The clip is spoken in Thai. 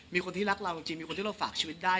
มีคนที่รักเราจริงมีคนที่เราฝากชีวิตได้